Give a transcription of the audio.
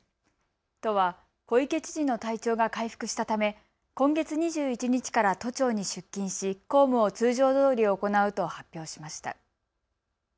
都は小池知事の体調が回復したため今月２１日から都庁に出勤し公務を通常どおり行うと発表しました。